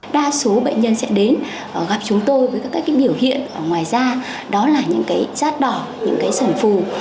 đa số bệnh nhân sẽ đến gặp chúng tôi với các biểu hiện ở ngoài da đó là những rát đỏ những sẩn phù